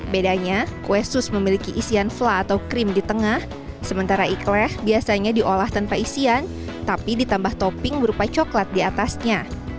bedanya kue sus memiliki isian vla atau krim di tengah sementara ikhlaq biasanya diolah tanpa isian tapi ditambah topping berupa coklat diatasnya